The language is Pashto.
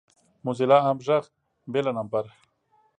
موزیلا عام غږ بې له نمبر